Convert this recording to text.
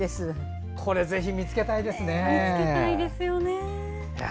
これ、ぜひ見つけたいですね。